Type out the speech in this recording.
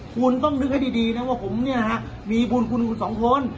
คุณต้องคิดให้ดีดีนะว่าผมเนี้ยฮะมีบุญคุณคุณสองคน